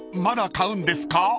まだ買うんですか？］